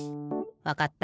わかった。